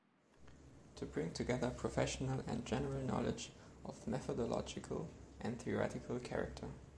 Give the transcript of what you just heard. To bring together professional and general knowledge of methodological and theoretical character.